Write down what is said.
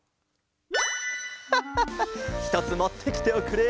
ハッハッハひとつもってきておくれ。